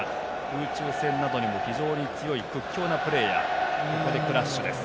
空中戦などにも非常に強い屈強なプレーヤーです。